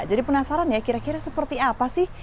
jadi penasaran ya kira kira seperti apa sih